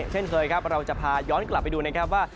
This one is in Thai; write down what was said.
เช่นเคยครับเราจะพาย้อนกลับไปดูนะครับว่า